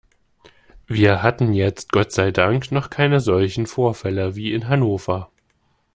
Wir hatten jetzt Gott sei Dank noch keine solchen Vorfälle wie in Hannover.